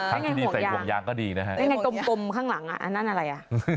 ทั้งที่ดีใส่ห่วงยางก็ดีนะครับใส่ห่วงยางกลมข้างหลังอ่ะอันนั้นอะไรอ่ะ